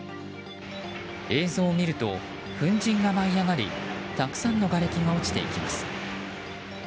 映像を見ると粉じんが舞い上がりたくさんのがれきが落ちていきます。